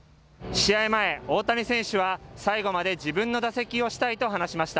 試合前、大谷選手は最後まで自分の打席をしたいと話しました。